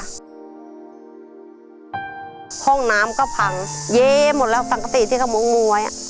ห้องน้ำก็พังเย้หมดแล้วสังสิทธิ์ที่เขาม้วงมวย